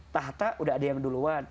tahta udah ada yang duluan